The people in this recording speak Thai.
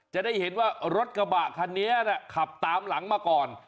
จะได้เห็นว่ารถกระบะคันนี้ขับตามหลังมาก่อน